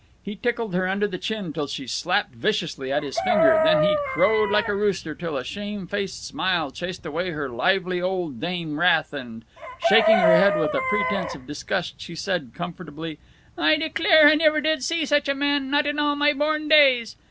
He tickled her under the chin till she slapped viciously at his finger, then he crowed like a rooster till a shame faced smile chased away her lively old dame wrath and, shaking her head with a pretense of disgust, she said, comfortably, "I declare I never did see such a man, not in all my born days."